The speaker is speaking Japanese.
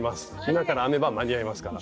今から編めば間に合いますから。